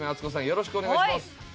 よろしくお願いします。